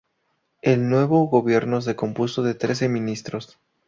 El nuevo gobierno se compuso de trece ministros.